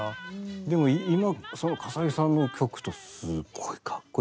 でも今その笠置さんの曲聴くとすごいかっこいいですよね。